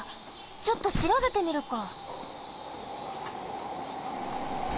ちょっとしらべてみるか。